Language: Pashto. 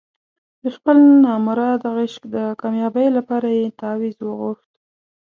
د خپل نامراده عشق د کامیابۍ لپاره یې تاویز وغوښت.